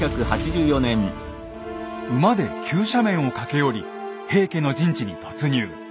馬で急斜面を駆け下り平家の陣地に突入。